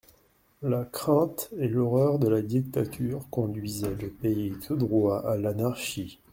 La crainte et l'horreur de la dictature conduisaient le pays tout droit à l'anarchie.